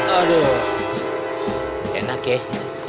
kita mau ikut nongkong perintah